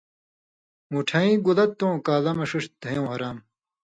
مُوٹَھیں گولہ تُوں کالہ مہ ݜِݜ دھیؤں حرام